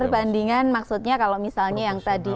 perbandingan maksudnya kalau misalnya yang tadi